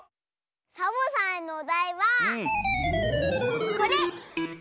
サボさんのおだいはこれ！